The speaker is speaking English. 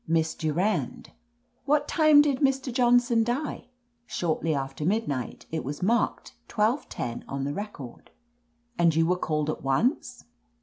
"Miss Durand." "What time did Mr. Johnson die ?" "Shortly after midnight It was marked twelve ten on the record." *And you were called at once